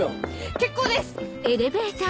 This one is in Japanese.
結構です！